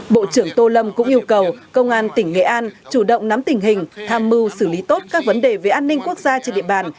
bộ trưởng tô lâm cũng yêu cầu công an tỉnh nghệ an chủ động nắm tình hình tham mưu xử lý tốt các vấn đề về an ninh quốc gia trên địa bàn